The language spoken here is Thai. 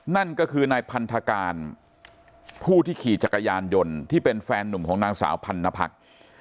นั่นก็คือนายพันธการผู้ที่ขี่จักรยานยนต์ที่เป็นแฟนหนุ่มของนางสาวพันนภักษ์